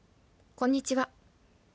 こんにちは。